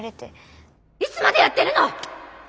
いつまでやってるの！